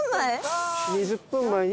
２０分前？